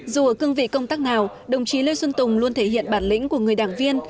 dù ở cương vị công tác nào đồng chí lê xuân tùng luôn thể hiện bản lĩnh của người đảng viên